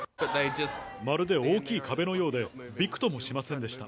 まるで大きい壁のようで、びくともしませんでした。